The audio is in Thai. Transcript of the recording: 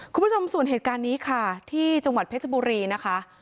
คุณผู้ชมส่วนเหตุการณ์นี้ค่ะที่จังหวัดเพชรบุรีนะคะ